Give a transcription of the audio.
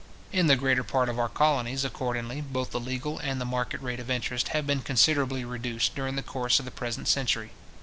In the greater part of our colonies, accordingly, both the legal and the market rate of interest have been considerably reduced during the course of the present century.